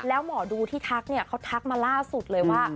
แล้วหมอดูที่ทักเนี่ยเขาทักมาล่าสุดเลยว่า